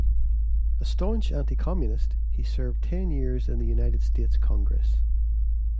A staunch anti-communist, he served ten years in the United States Congress.